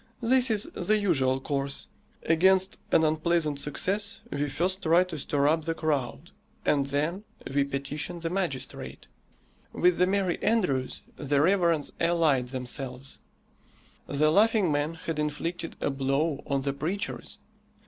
This is the usual course. Against an unpleasant success we first try to stir up the crowd and then we petition the magistrate. With the merry andrews the reverends allied themselves. The Laughing Man had inflicted a blow on the preachers.